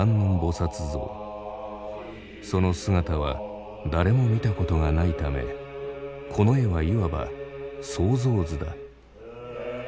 その姿は誰も見たことがないためこの絵はいわば想像図だ。